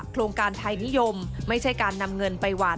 โครงการไทยนิยมไม่ใช่การนำเงินไปหวาน